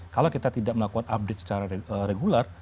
kalau kita tidak melakukan update secara regular